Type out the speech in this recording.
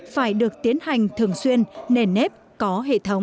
phải được tiến hành thường xuyên nền nếp có hệ thống